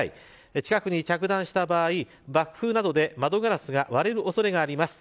近くに着弾した場合爆風などで窓ガラスが割れる恐れがあります。